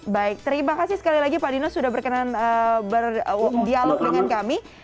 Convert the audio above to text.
baik terima kasih sekali lagi pak dino sudah berkenan berdialog dengan kami